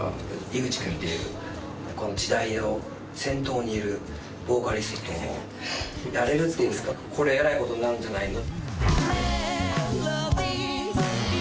井口君っていう、時代の先頭にいるボーカリストと歌えるというのは、これはえらいことになるんじゃないの。